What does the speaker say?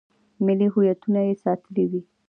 ملي هویتونه یې ساتلي وي.